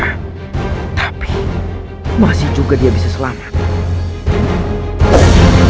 sedikit lagi kian santang mati di tangan paman jagadwira